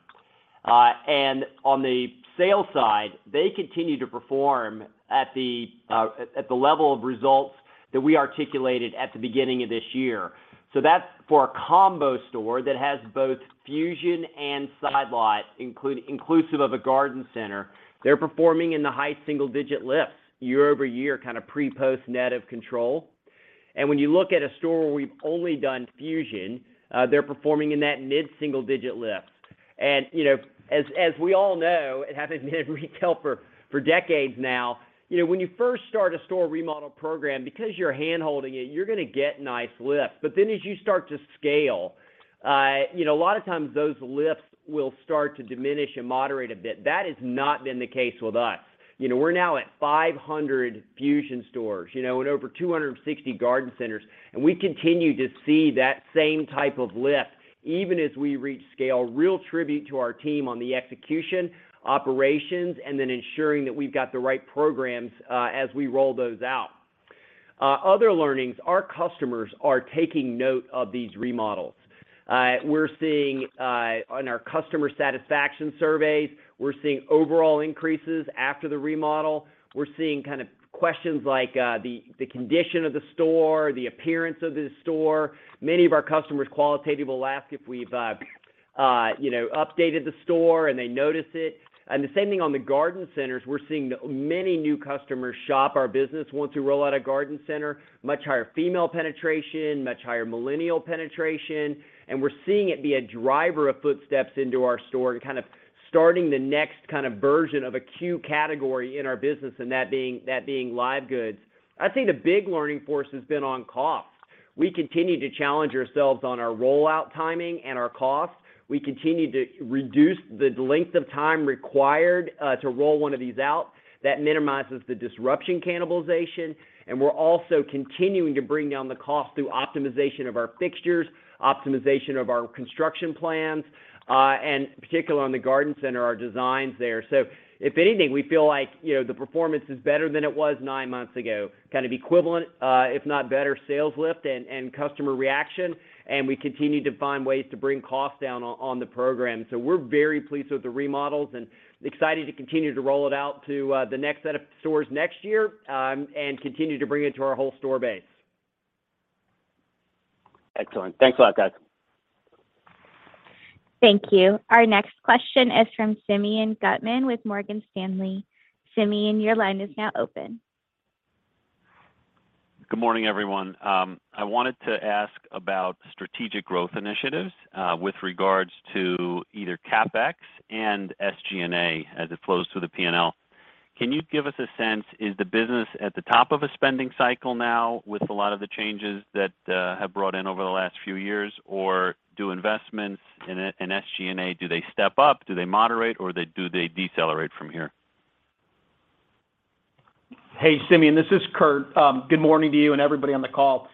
Speaker 3: On the sales side, they continue to perform at the level of results that we articulated at the beginning of this year. That's for a combo store that has both Fusion and Side Lot, inclusive of a Garden Center. They're performing in the high single-digit lifts year-over-year, kind of pre/post net of control. When you look at a store where we've only done Fusion, they're performing in that mid-single digit lift. You know, as we all know, and have been in retail for decades now, you know, when you first start a store remodel program, because you're handholding it, you're gonna get nice lifts. As you start to scale, you know, a lot of times those lifts will start to diminish and moderate a bit. That has not been the case with us. You know, we're now at 500 Fusion stores, you know, and over 260 garden centers, and we continue to see that same type of lift even as we reach scale. Real tribute to our team on the execution, operations, and then ensuring that we've got the right programs, as we roll those out. Other learnings, our customers are taking note of these remodels. We're seeing, on our customer satisfaction surveys, we're seeing overall increases after the remodel. We're seeing kind of questions like, the condition of the store, the appearance of the store. Many of our customers qualitatively will ask if we've updated the store and they notice it. The same thing on the Garden Centers. We're seeing many new customers shop our business once we roll out a Garden Center, much higher female penetration, much higher millennial penetration. We're seeing it be a driver of footsteps into our store to kind of starting the next kind of version of a C category in our business, and that being live goods. I'd say the big learning force has been on cost. We continue to challenge ourselves on our rollout timing and our costs. We continue to reduce the length of time required to roll one of these out. That minimizes the disruption cannibalization, and we're also continuing to bring down the cost through optimization of our fixtures, optimization of our construction plans, and particularly on the Garden Center, our designs there. If anything, we feel like, you know, the performance is better than it was nine months ago, kind of equivalent, if not better sales lift and customer reaction. We continue to find ways to bring costs down on the program. We're very pleased with the remodels and excited to continue to roll it out to the next set of stores next year, and continue to bring it to our whole store base.
Speaker 10: Excellent. Thanks a lot, guys.
Speaker 1: Thank you. Our next question is from Simeon Gutman with Morgan Stanley. Simeon, your line is now open.
Speaker 11: Good morning, everyone. I wanted to ask about strategic growth initiatives, with regards to either CapEx and SG&A as it flows through the P&L. Can you give us a sense, is the business at the top of a spending cycle now with a lot of the changes that have brought in over the last few years, or do investments in SG&A, do they step up? Do they moderate, or do they decelerate from here?
Speaker 4: Hey, Simeon, this is Kurt. Good morning to you and everybody on the call.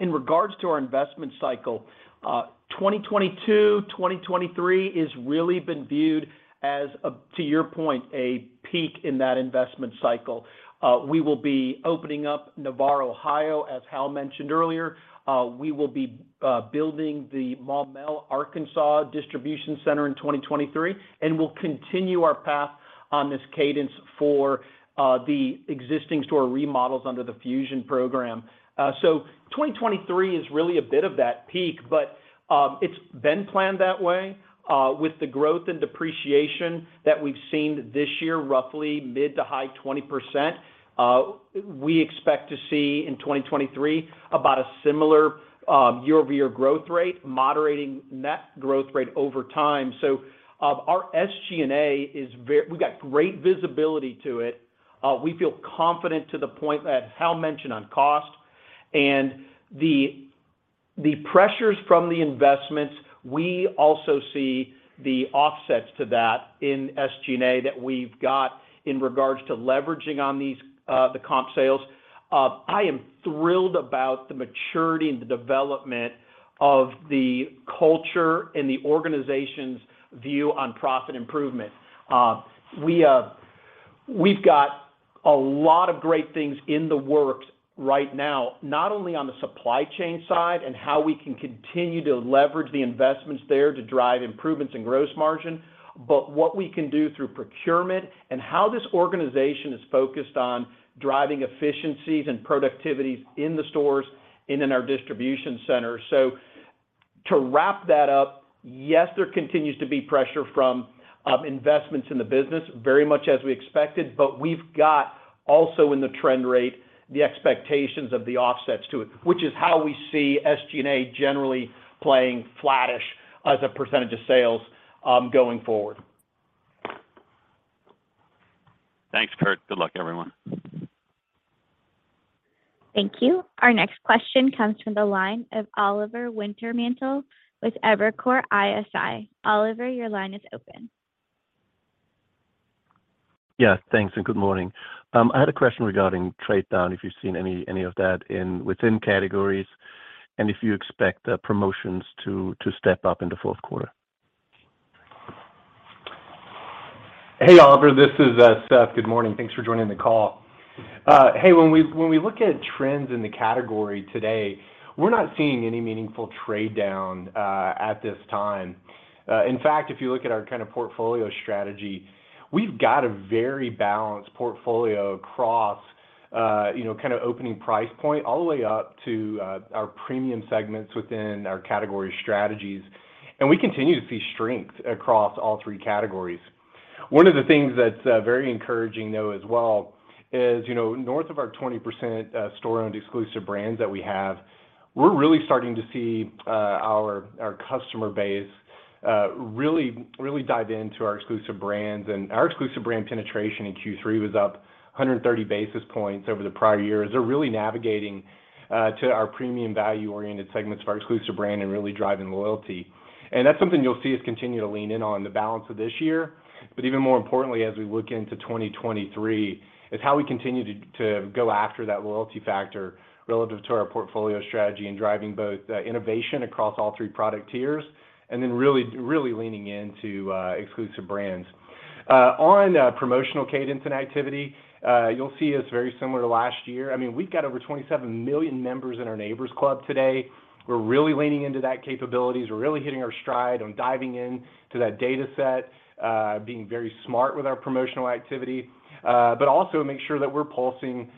Speaker 4: In regards to our investment cycle, 2022, 2023 is really been viewed as, to your point, a peak in that investment cycle. We will be opening up Navarre, Ohio, as Hal mentioned earlier. We will be building the Maumelle, Arkansas distribution center in 2023, and we'll continue our path on this cadence for the existing store remodels under the Fusion program. 2023 is really a bit of that peak, but it's been planned that way. With the growth and depreciation that we've seen this year, roughly mid- to high 20%, we expect to see in 2023 about a similar year-over-year growth rate, moderating net growth rate over time. Our SG&A is. We've got great visibility to it. We feel confident to the point that Hal mentioned on cost. The pressures from the investments, we also see the offsets to that in SG&A that we've got in regards to leveraging on these, the comp sales. I am thrilled about the maturity and the development of the culture and the organization's view on profit improvement. We've got a lot of great things in the works right now, not only on the supply chain side and how we can continue to leverage the investments there to drive improvements in gross margin, but what we can do through procurement and how this organization is focused on driving efficiencies and productivities in the stores and in our distribution center. To wrap that up, yes, there continues to be pressure from investments in the business, very much as we expected, but we've got also in the trend rate, the expectations of the offsets to it, which is how we see SG&A generally playing flattish as a percentage of sales, going forward.
Speaker 11: Thanks, Kurt. Good luck, everyone.
Speaker 1: Thank you. Our next question comes from the line of Oliver Wintermantel with Evercore ISI. Oliver, your line is open.
Speaker 12: Yeah, thanks, and good morning. I had a question regarding trade down, if you've seen any of that within categories, and if you expect the promotions to step up in the Q4.
Speaker 13: Hey, Oliver, this is Seth. Good morning. Thanks for joining the call. Hey, when we look at trends in the category today, we're not seeing any meaningful trade down at this time. In fact, if you look at our kind of portfolio strategy, we've got a very balanced portfolio across, you know, kind of opening price point all the way up to our premium segments within our category strategies. We continue to see strength across all three categories. One of the things that's very encouraging, though, as well is, you know, north of our 20% store-owned exclusive brands that we have, we're really starting to see our customer base really dive into our exclusive brands. Our exclusive brand penetration in Q3 was up 130 basis points over the prior year, as they're really navigating to our premium value-oriented segments of our exclusive brand and really driving loyalty. That's something you'll see us continue to lean in on the balance of this year. Even more importantly, as we look into 2023, is how we continue to go after that loyalty factor relative to our portfolio strategy and driving both innovation across all three product tiers and then really, really leaning into exclusive brands.
Speaker 3: On promotional cadence and activity, you'll see it's very similar to last year. I mean, we've got over 27 million members in our Neighbor's Club today. We're really leaning into that capabilities. We're really hitting our stride on diving into that data set, being very smart with our promotional activity. Also make sure that we're pulsing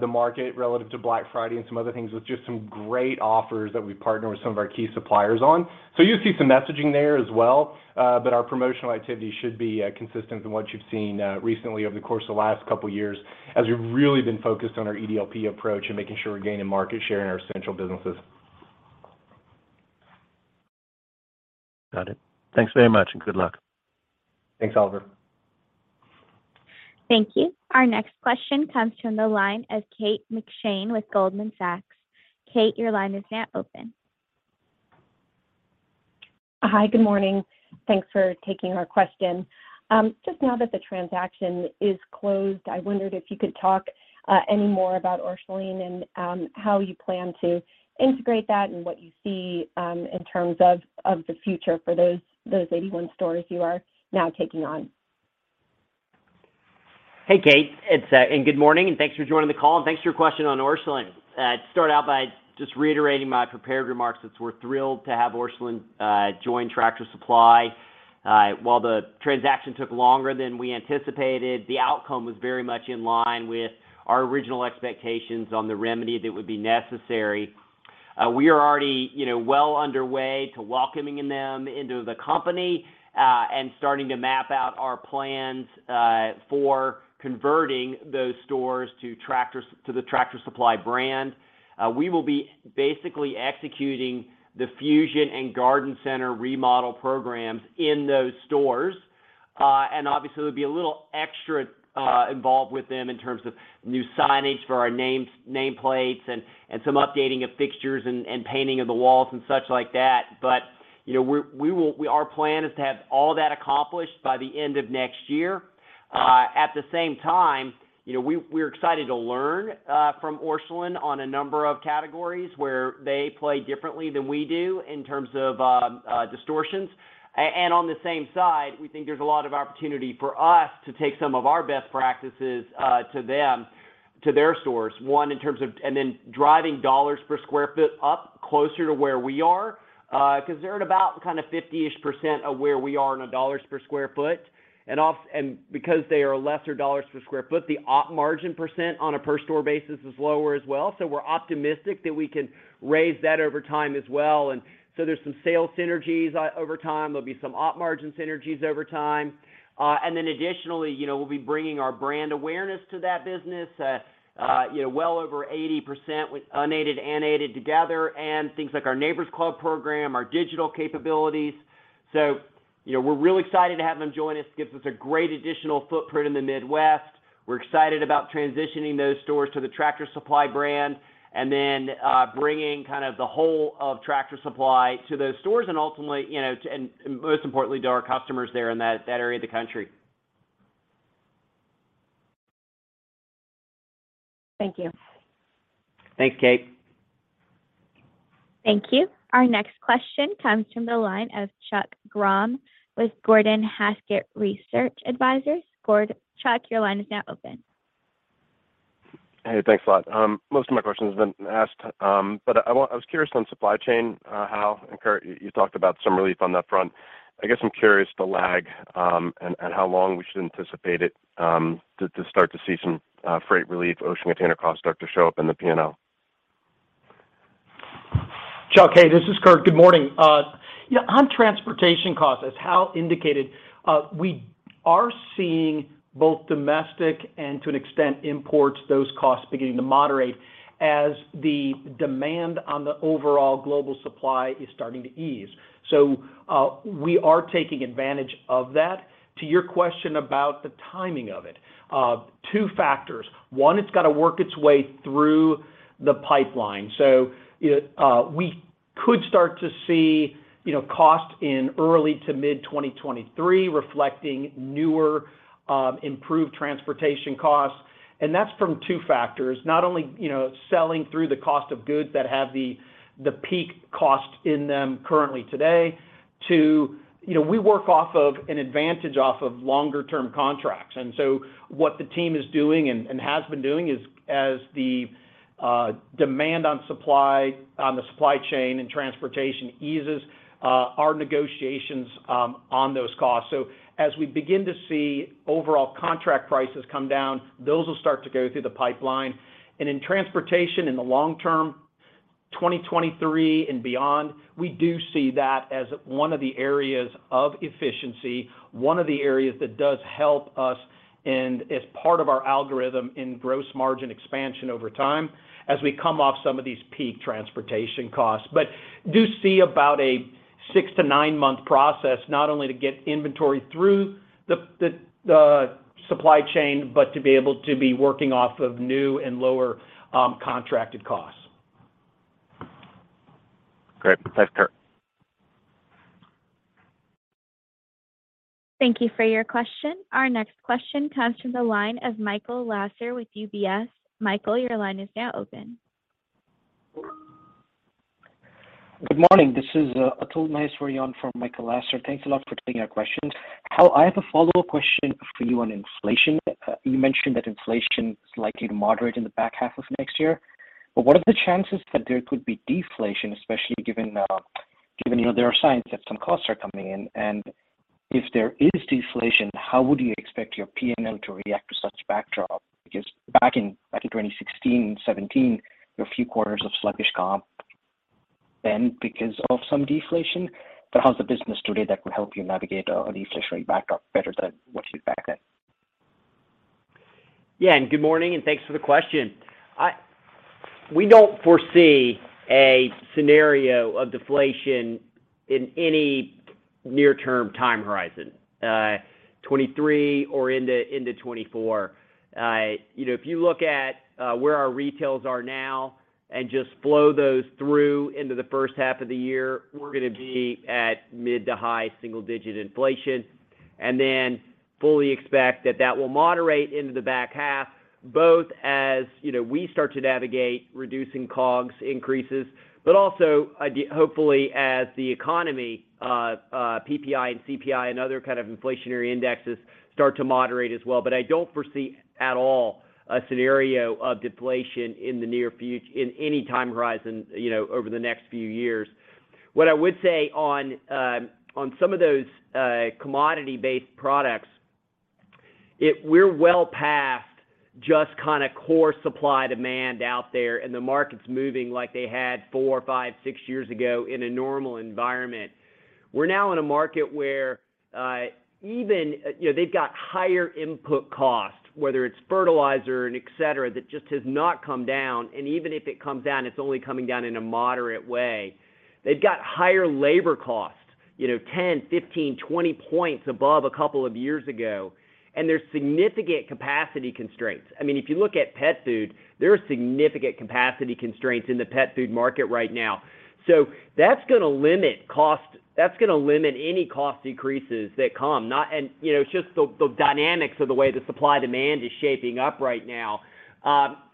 Speaker 3: the market relative to Black Friday and some other things with just some great offers that we partner with some of our key suppliers on. You'll see some messaging there as well, but our promotional activity should be consistent with what you've seen recently over the course of the last couple of years as we've really been focused on our EDLP approach and making sure we're gaining market share in our central businesses.
Speaker 12: Got it. Thanks very much, and good luck.
Speaker 3: Thanks, Oliver.
Speaker 1: Thank you. Our next question comes from the line of Kate McShane with Goldman Sachs. Kate, your line is now open.
Speaker 14: Hi, good morning. Thanks for taking our question. Just now that the transaction is closed, I wondered if you could talk any more about Orscheln and how you plan to integrate that and what you see in terms of the future for those 81 stores you are now taking on.
Speaker 3: Hey, Kate. Good morning, and thanks for joining the call. Thanks for your question on Orscheln. To start out by just reiterating my prepared remarks is we're thrilled to have Orscheln join Tractor Supply. While the transaction took longer than we anticipated, the outcome was very much in line with our original expectations on the remedy that would be necessary. We are already, you know, well underway to welcoming them into the company and starting to map out our plans for converting those stores to the Tractor Supply brand. We will be basically executing the Fusion and Garden Center remodel programs in those stores. Obviously, there'll be a little extra involved with them in terms of new signage for our names, nameplates and some updating of fixtures and painting of the walls and such like that. You know, we will our plan is to have all that accomplished by the end of next year. At the same time, you know, we're excited to learn from Orscheln on a number of categories where they play differently than we do in terms of assortments. And on the same side, we think there's a lot of opportunity for us to take some of our best practices to them, to their stores. One, in terms of... Driving $ per sq ft up closer to where we are, because they're at about kind of 50%-ish of where we are in the $ per sq ft. Because they are lesser $ per sq ft, the op margin % on a per store basis is lower as well. We're optimistic that we can raise that over time as well. There's some sales synergies over time. There'll be some op margin synergies over time. Additionally, you know, we'll be bringing our brand awareness to that business, you know, well over 80% with unaided and aided together, and things like our Neighbor's Club program, our digital capabilities. You know, we're really excited to have them join us, gives us a great additional footprint in the Midwest. We're excited about transitioning those stores to the Tractor Supply brand and then, bringing kind of the whole of Tractor Supply to those stores and ultimately, you know, and most importantly, to our customers there in that area of the country.
Speaker 14: Thank you.
Speaker 3: Thanks, Kate.
Speaker 1: Thank you. Our next question comes from the line of Chuck Grom with Gordon Haskett Research Advisors. Chuck, your line is now open.
Speaker 15: Hey, thanks a lot. Most of my questions have been asked. I was curious on supply chain, Hal and Kurt, you talked about some relief on that front. I guess I'm curious the lag, and how long we should anticipate it to start to see some freight relief, ocean container costs start to show up in the P&L.
Speaker 3: Chuck, hey, this is Kurt. Good morning. Yeah, on transportation costs, as Hal indicated, we are seeing both domestic and to an extent imports, those costs beginning to moderate as the demand on the overall global supply is starting to ease. We are taking advantage of that. To your question about the timing of it, two factors. One, it's got to work its way through the pipeline. We could start to see, you know, costs in early to mid-2023 reflecting newer, improved transportation costs. That's from two factors. Not only, you know, selling through the cost of goods that have the peak cost in them currently today. You know, we work off of an advantage of longer term contracts. What the team is doing and has been doing is, as the demand on the supply chain and transportation eases, our negotiations on those costs. As we begin to see overall contract prices come down, those will start to go through the pipeline. In transportation in the long term, 2023 and beyond, we do see that as one of the areas of efficiency, one of the areas that does help us and as part of our algorithm in gross margin expansion over time as we come off some of these peak transportation costs. We do see about a 6 months-9 month process, not only to get inventory through the supply chain, but to be able to be working off of new and lower contracted costs.
Speaker 15: Great. Thanks, Kurt.
Speaker 1: Thank you for your question. Our next question comes from the line of Michael Lasser with UBS. Michael, your line is now open.
Speaker 16: Good morning. This is Atul Maheshwari from Michael Lasser. Thanks a lot for taking our questions. Hal, I have a follow-up question for you on inflation. You mentioned that inflation is likely to moderate in the back half of next year. What are the chances that there could be deflation, especially given you know there are signs that some costs are coming in? And if there is deflation, how would you expect your P&L to react to such backdrop? Because back in 2016, 2017, there were a few quarters of sluggish comp then because of some deflation. How's the business today that could help you navigate a deflationary backdrop better than what it was back then?
Speaker 3: Yeah. Good morning, and thanks for the question. We don't foresee a scenario of deflation in any near-term time horizon, 2023 or into 2024. You know, if you look at where our retail is now and just flow those through into the first half of the year, we're gonna be at mid- to high-single-digit inflation. Fully expect that will moderate into the back half, both as you know, we start to navigate reducing COGS increases, but also hopefully as the economy, PPI and CPI and other kind of inflationary indexes start to moderate as well. I don't foresee at all a scenario of deflation in any time horizon, you know, over the next few years. What I would say on some of those commodity-based products, we're well past just kinda core supply demand out there, and the market's moving like they had 4, 5, 6 years ago in a normal environment. We're now in a market where even you know, they've got higher input costs, whether it's fertilizer and et cetera, that just has not come down. Even if it comes down, it's only coming down in a moderate way. They've got higher labor costs, you know, 10, 15, 20 points above a couple of years ago, and there's significant capacity constraints. I mean, if you look at pet food, there are significant capacity constraints in the pet food market right now. So that's gonna limit any cost decreases that come. Not You know, it's just the dynamics of the way the supply and demand is shaping up right now.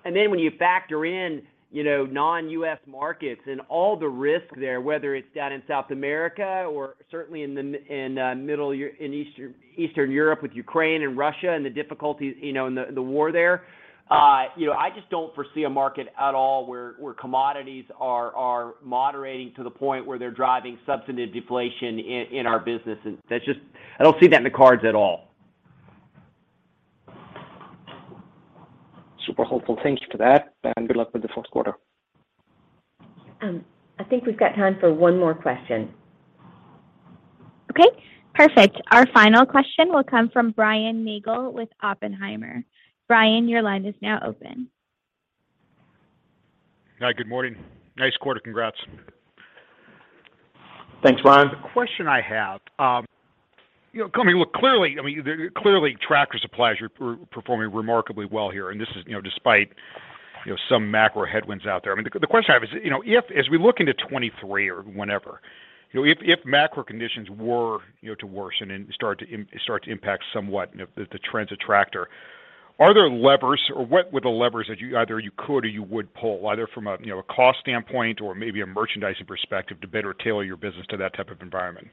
Speaker 3: You factor in, you know, non-US. Markets and all the risk there, whether it's down in South America or certainly in the Middle East in Eastern Europe with Ukraine and Russia and the difficulties, you know, and the war there. You know, I just don't foresee a market at all where commodities are moderating to the point where they're driving substantive deflation in our business. That's just I don't see that in the cards at all.
Speaker 16: Super helpful. Thanks for that, and good luck with the Q4.
Speaker 2: I think we've got time for one more question.
Speaker 1: Okay, perfect. Our final question will come from Brian Nagel with Oppenheimer. Brian, your line is now open.
Speaker 17: Hi, good morning. Nice quarter, congrats.
Speaker 3: Thanks, Brian.
Speaker 17: The question I have, you know, I mean, look, clearly, I mean, clearly Tractor Supply's performing remarkably well here, and this is, you know, despite, you know, some macro headwinds out there. I mean, the question I have is, you know, if as we look into 2023 or whenever, you know, if macro conditions were, you know, to worsen and start to impact somewhat the trends of Tractor, are there levers or what were the levers that you could or you would pull, either from a, you know, a cost standpoint or maybe a merchandising perspective to better tailor your business to that type of environment?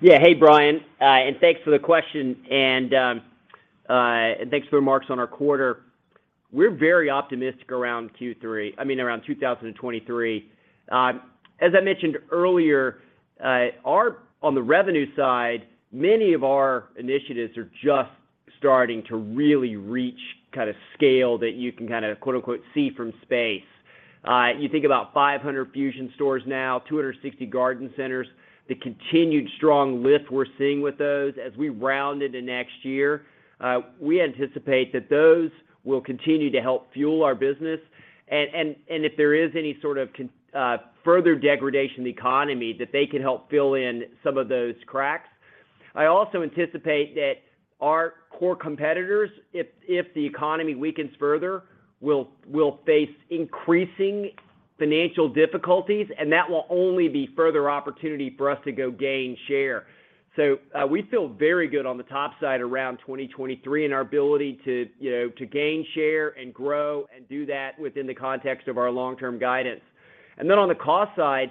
Speaker 3: Yeah. Hey, Brian, and thanks for the question, and thanks for the remarks on our quarter. We're very optimistic around Q3. I mean, around 2023. As I mentioned earlier, on the revenue side, many of our initiatives are just starting to really reach kind of scale that you can kinda quote-unquote, "See from space." You think about 500 Fusion stores now, 260 garden centers. The continued strong lift we're seeing with those. As we round into next year, we anticipate that those will continue to help fuel our business. If there is any sort of further degradation in the economy, that they can help fill in some of those cracks. I also anticipate that our core competitors, if the economy weakens further, will face increasing financial difficulties, and that will only be further opportunity for us to gain share. We feel very good on the top side around 2023 and our ability to, you know, to gain share and grow and do that within the context of our long-term guidance. On the cost side,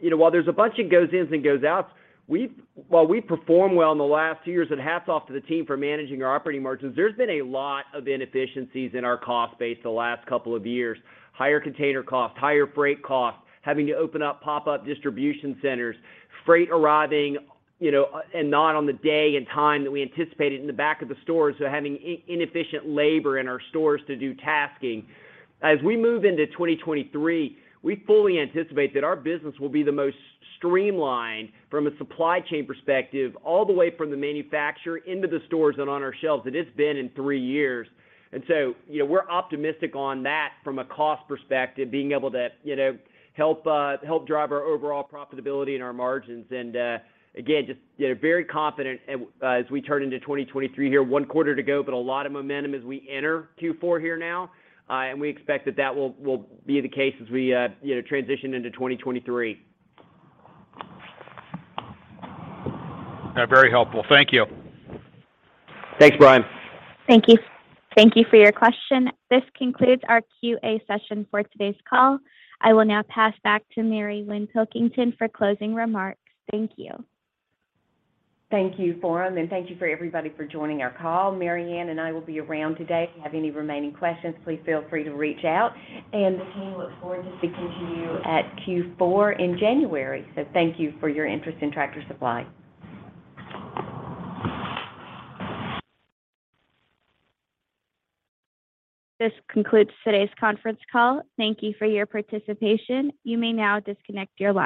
Speaker 3: you know, while there's a bunch of ins and outs, we've performed well in the last two years, and hats off to the team for managing our operating margins. There's been a lot of inefficiencies in our cost base the last couple of years. Higher container costs, higher freight costs, having to open up pop-up distribution centers, freight arriving, you know, and not on the day and time that we anticipated in the back of the stores, so having inefficient labor in our stores to do tasking. As we move into 2023, we fully anticipate that our business will be the most streamlined from a supply chain perspective, all the way from the manufacturer into the stores and on our shelves than it's been in three years. You know, we're optimistic on that from a cost perspective, being able to, you know, help drive our overall profitability and our margins. Again, just, you know, very confident as we turn into 2023 here. One quarter to go, but a lot of momentum as we enter Q4 here now. We expect that will be the case as we, you know, transition into 2023.
Speaker 17: Yeah, very helpful. Thank you.
Speaker 3: Thanks, Brian.
Speaker 1: Thank you. Thank you for your question. This concludes our QA session for today's call. I will now pass back to Mary Winn Pilkington for closing remarks. Thank you.
Speaker 2: Thank you, Lauren, and thank you for everybody for joining our call. Mary Winn Pilkington and I will be around today. If you have any remaining questions, please feel free to reach out, and the team looks forward to speaking to you at Q4 in January. Thank you for your interest in Tractor Supply.
Speaker 1: This concludes today's conference call. Thank you for your participation. You may now disconnect your line.